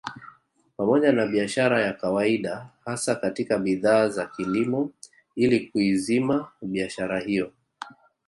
Pamoja na biashara ya kawaida hasa katika bidhaa za kilimo ili kuizima biashara hiyo